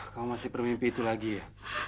kamu masih bermimpi itu lagi ya